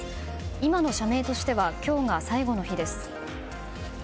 今の社名としては今日が最後の日です。